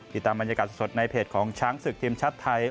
ติดตามบรรยากาศสดในเพจของช้างศึกทีมชาติไทย